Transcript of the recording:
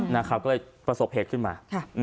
นะครับก็เลยประสบเหตุขึ้นมา